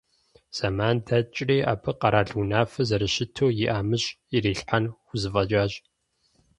Зэман дэкӀри, абы къэрал унафэр зэрыщыту и ӀэмыщӀэ ирилъхьэн хузэфӀэкӀащ.